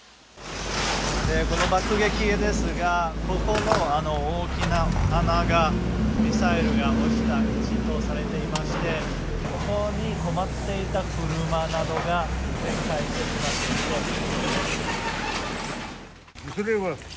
この爆撃ですが、ここの大きな穴がミサイルが落ちた位置とされていまして、ここに止まっていた車などが、全壊してしまっていて。